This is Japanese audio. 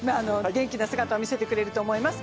元気な姿を見せてくれると思います。